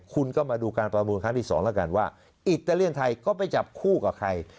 คุณก็มาดูการประมูลครั้งที่๒แล้วกันว่าอิตาเลียนไทยก็ไปจับคู่กับใคร